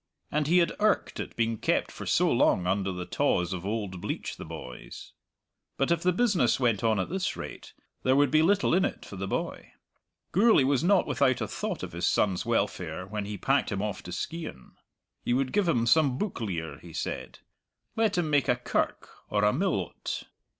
and he had irked at being kept for so long under the tawse of old Bleach the boys. But if the business went on at this rate there would be little in it for the boy. Gourlay was not without a thought of his son's welfare when he packed him off to Skeighan. He would give him some book lear, he said; let him make a kirk or a mill o't.